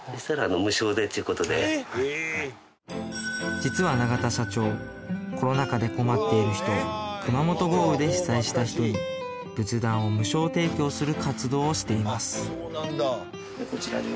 実は永田社長コロナ禍で困っている人熊本豪雨で被災した人に仏壇を無償提供する活動をしています